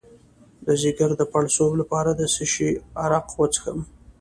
د ځیګر د پړسوب لپاره د څه شي عرق وڅښم؟